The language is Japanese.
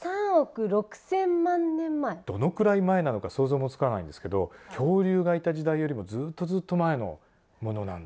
どのくらい前なのか想像もつかないんですけど恐竜がいた時代よりもずっとずっと前のものなんですね。